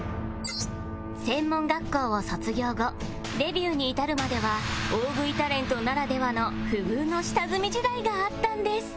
専門学校を卒業後デビューに至るまでは大食いタレントならではの不遇の下積み時代があったんです